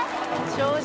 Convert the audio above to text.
正直。